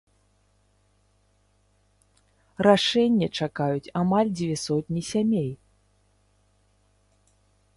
Рашэння чакаюць амаль дзве сотні сямей.